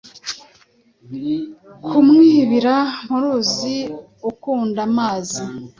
Kumwibira mu ruzi ukunda amazi.